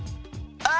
あ！